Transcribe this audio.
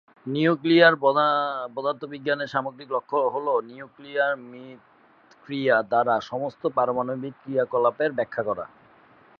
নিউক্লীয় পদার্থবিজ্ঞানের সামগ্রিক লক্ষ্য হল নিউক্লিয় মিথষ্ক্রিয়া দ্বারা সমস্ত পারমাণবিক ক্রিয়াকলাপের ব্যাখ্যা করা।